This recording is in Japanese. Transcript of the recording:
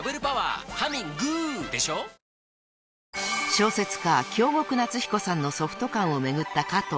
［小説家京極夏彦さんのソフト館を巡った加藤］